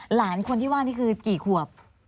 หลานคนที่ว่านี่คือกี่ขวบ